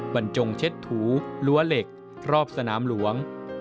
บรรจงเช็ดถูรั้วเหล็กรอบสนามหลวง